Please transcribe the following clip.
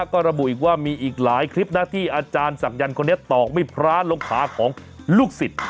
ก็ระบุอีกว่ามีอีกหลายคลิปนะที่อาจารย์ศักยันต์คนนี้ตอกไม่พลาดลงขาของลูกศิษย์